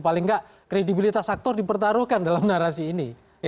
paling nggak kredibilitas aktor dipertaruhkan dalam narasi ini